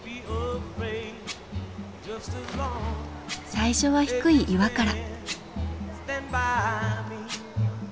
最初は低い岩から。